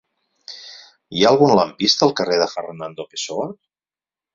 Hi ha algun lampista al carrer de Fernando Pessoa?